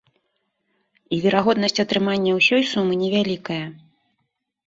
І верагоднасць атрымання ўсёй сумы невялікая.